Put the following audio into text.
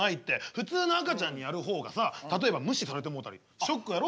普通の赤ちゃんにやる方がさ例えば無視されてもうたりショックやろ？